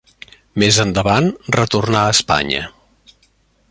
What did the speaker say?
Més endavant retornà a Espanya.